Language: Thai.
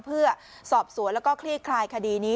เพื่อสอบสวนแล้วก็คลี่คลายคดีนี้